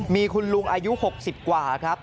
มีคุณลุงอายุ๖๐กว่าครับ